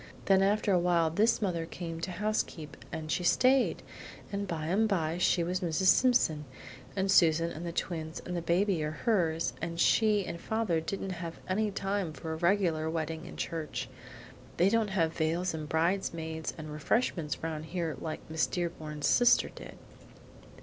Then after a while this mother came to housekeep, and she stayed, and by and by she was Mrs. Simpson, and Susan and the twins and the baby are hers, and she and father didn't have time for a regular wedding in church. They don't have veils and bridesmaids and refreshments round here like Miss Dearborn's sister did."